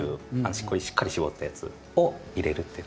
これしっかり搾ったやつを入れるっていう形。